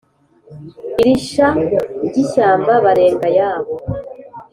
iri sha ry ' ishyanga barenga ayabo,